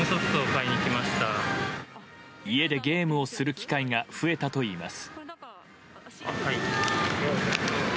家でゲームをする機会が増えたといいます。